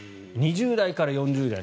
２０代から４０代。